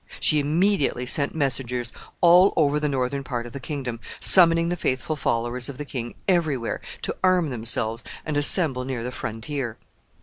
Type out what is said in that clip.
She immediately sent messengers all over the northern part of the kingdom, summoning the faithful followers of the king every where to arm themselves and assemble near the frontier.